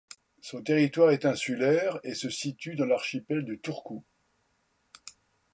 Son territoire est insulaire, et se situe dans l'Archipel de Turku.